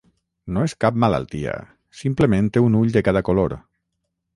No és cap malaltia, simplement té un ull de cada color.